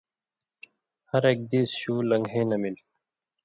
ہر ایک دیس شُو لن٘گھَیں لمِل۔